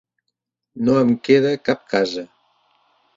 No em queda cap casa.